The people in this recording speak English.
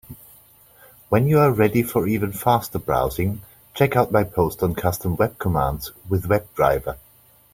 When you are ready for even faster browsing, check out my post on Custom web commands with WebDriver.